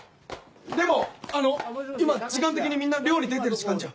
でもあの今時間的にみんな漁に出てる時間じゃ。